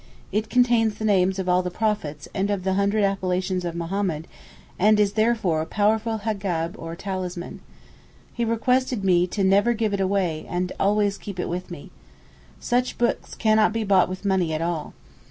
It contains the names of all the prophets and of the hundred appellations of Mohammed, and is therefore a powerful hegab or talisman. He requested me never to give it away and always to keep it with me. Such books cannot be bought with money at all.